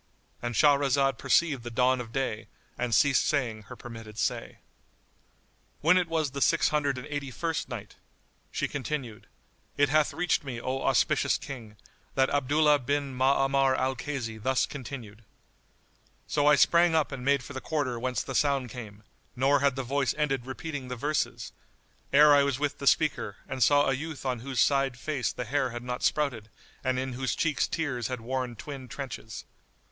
——And Shahrazad perceived the dawn of day and ceased saying her permitted say. When it was the Six Hundred and Eighty first Night, She continued, It hath reached me, O auspicious King, that Abdullah bin Ma'amar al Kaysi thus continued:—So I sprang up and made for the quarter whence the sound came, nor had the voice ended repeating the verses, ere I was with the speaker and saw a youth on whose side face the hair had not sprouted and in whose cheeks tears had worn twin trenches.